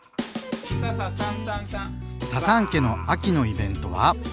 タサン家の秋のイベントは。